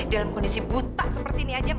dalam kondisi buta seperti ini aja